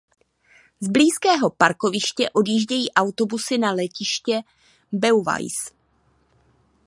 Z blízkého parkoviště odjíždějí autobusy na letiště Beauvais.